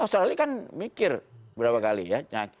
australia kan mikir berapa kali ya